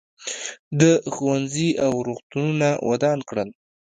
ده ښوونځي او روغتونونه ودان کړل.